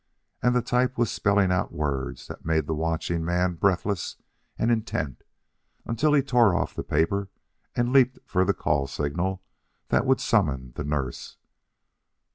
And the type was spelling out words that made the watching man breathless and intent until he tore off the paper and leaped for the call signal that would summon the nurse.